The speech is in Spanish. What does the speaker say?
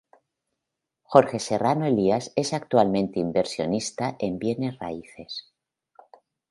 Jorge Serrano Elías es actualmente inversionista en bienes raíces.